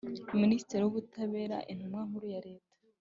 Minisitiri w Ubutabera Intumwa Nkuru ya leta